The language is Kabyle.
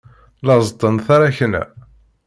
La ẓeṭṭen taṛakna.